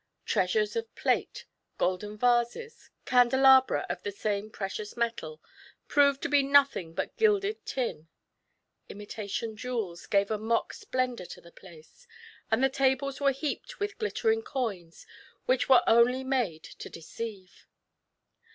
Treasures of plate, golden vases, candelabra of the same precious metal, proved to be nothing but gilded tin; imitation jewels gave a mock splendour to the place, and the tables were heaped with glittering coins which were only made to deceive.